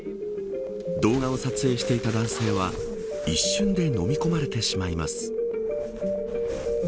動画を撮影していた男性は一瞬でのみ込まれてしまいます。